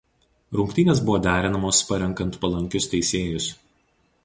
Rungtynės buvo derinamos parenkant palankius teisėjus.